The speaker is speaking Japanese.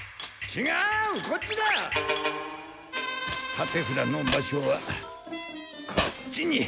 立てふだの場所はこっちに。